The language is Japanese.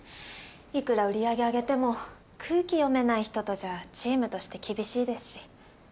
いくら売り上げ上げても空気読めない人とじゃチームとして厳しいですし。